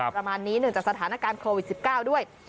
ประมาณนี้เนื่องจากสถานการณ์โควิด๑๙ด้วย